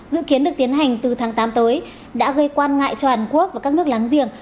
dự kiến được tiến hành từ tháng tám tới đã gây quan ngại cho hàn quốc và các nước láng giềng